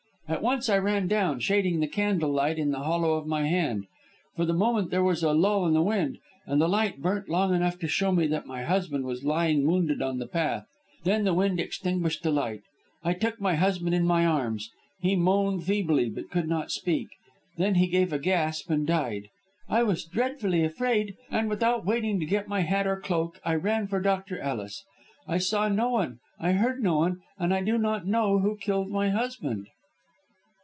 At once I ran down, shading the candle light in the hollow of my hand. For the moment there was a lull in the wind, and the light burnt long enough to show me that my husband was lying wounded on the path. Then the wind extinguished the light. I took my husband in my arms. He moaned feebly, but could not speak. Then he gave a gasp and died. I was dreadfully afraid, and without waiting to get my hat or cloak, I ran for Dr. Ellis. I saw no one; I heard no one; and I do not know who killed my husband."